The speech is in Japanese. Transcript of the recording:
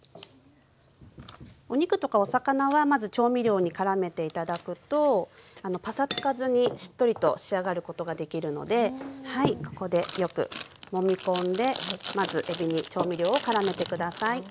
お肉とかお魚はまず調味料にからめて頂くとパサつかずにしっとりと仕上がることができるのでここでよくもみ込んでまずえびに調味料をからめて下さい。